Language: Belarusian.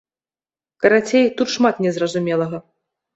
Карацей, тут шмат незразумелага.